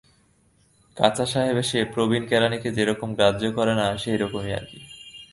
কাঁচা সাহেব এসে প্রবীণ কেরানীকে যেরকম গ্রাহ্য করে না সেইরকম আর কি।